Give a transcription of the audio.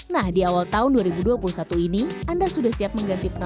nah di awal tahun dua ribu dua puluh satu ini anda sudah siap mengganti penonton